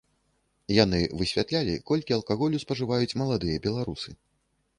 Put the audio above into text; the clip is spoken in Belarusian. Яны высвятлялі, колькі алкаголю спажываюць маладыя беларусы.